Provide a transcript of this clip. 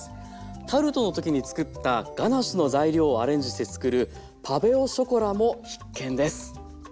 タルトの時につくったガナッシュの材料をアレンジしてつくる「パヴェ・オ・ショコラ」も必見です。